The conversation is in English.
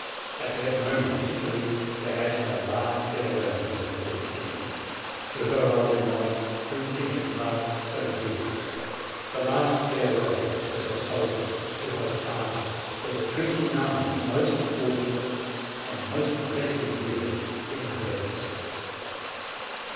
At that moment Italy bade her last farewell to her dead king, to her old monarch whom she had loved so dearly, the last farewell to her soldier, to her father, to the twenty nine most fortunate and most blessed years in her history.